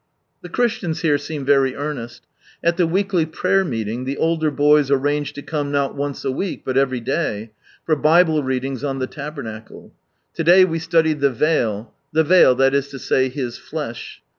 The Christians here seem very earnest. At the weekly prayer meeting, the older boys arranged to come not once a week, but every day, for Bible readings on the Tabernacle. To day we studied the Vail, " the Vail, that is to say His flesh."